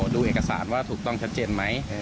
ดูเอกสารว่าถูกต้องชัดเจนไหม